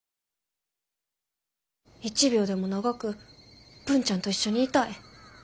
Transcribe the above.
一秒でも長く文ちゃんと一緒にいたい。